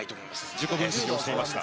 自己分析をしていました。